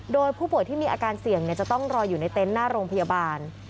โดยผู้ป่วยที่มีอาการเสี่ยงจะต้องรออยู่ในเต็นต์หน้าโรงพยาบาล